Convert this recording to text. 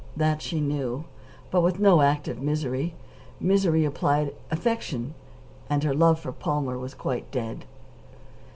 That she knew. But with no active misery. Misery implied affection, and her love for Palmer was quite dead.